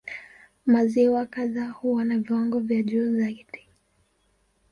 Maziwa kadhaa huwa na viwango vya juu zaidi.